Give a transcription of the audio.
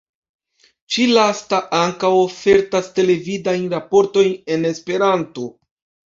Ĉi-lasta ankaŭ ofertas televidajn raportojn en Esperanto.